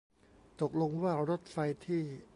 ตกลงว่ารถไฟที่